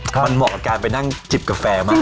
มันเหมาะกับการไปนั่งจิบกาแฟมาก